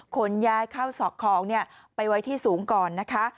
ขนย้ายเข้าสอกของไปไว้ที่สูงก่อนนะคะ